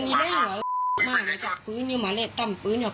เนี่ยไปเลยว่ากูไม่ใยโรคอีกหนึ่ง